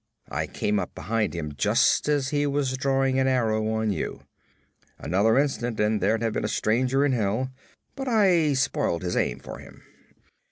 I came up behind him just as he was drawing an arrow on you. Another instant and there'd have been a stranger in Hell. But I spoiled his aim for him.'